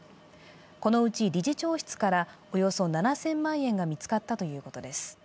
このうち理事長室からおよそ７０００万円が見つかったということです。